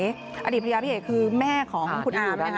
อนาคตภรรยาพี่เอ๋คือแม่ของคุณอาม